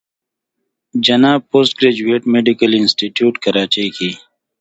جناح پوسټ ګريجويټ ميډيکل انسټيتيوټ کراچۍ کښې